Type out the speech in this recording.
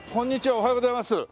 おはようございます。